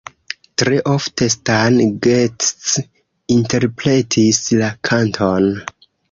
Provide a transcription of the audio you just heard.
Tre ofte Stan Getz interpretis la kanton.